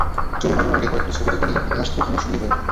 চলুন, আমরা আগে কয়েকটি ছবি দেখে নিই, ইতিহাস থাকুক আমাদের সঙ্গী হয়ে।